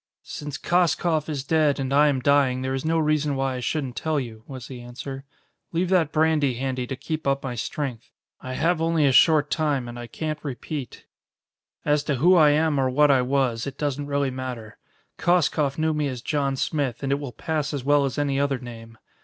"Since Koskoff is dead, and I am dying, there is no reason why I shouldn't tell you," was the answer. "Leave that brandy handy to keep up my strength. I have only a short time and I can't repeat. "As to who I am or what I was, it doesn't really matter. Koskoff knew me as John Smith, and it will pass as well as any other name.